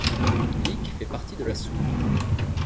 Licq fait partie de la Soule.